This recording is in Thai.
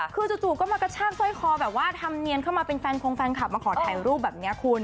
คือจู่ก็มากระชากสร้อยคอแบบว่าทำเนียนเข้ามาเป็นแฟนคงแฟนคลับมาขอถ่ายรูปแบบนี้คุณ